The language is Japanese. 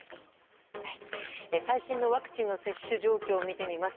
最新のワクチンの接種状況を見てみます。